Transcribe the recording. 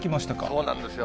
そうなんですよ。